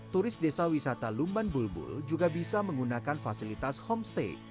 turis desa wisata lumban bulbul juga bisa menggunakan fasilitas homestay